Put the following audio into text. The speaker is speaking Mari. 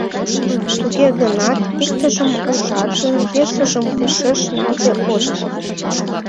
Туге гынат иктыжым ужат гын, весыжым ушеш налде от код.